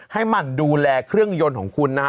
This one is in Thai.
ให้มันดูแลเครื่องยนต์ของคุณนะฮะ